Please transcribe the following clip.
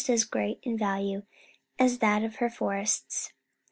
as great in value as that of her forests.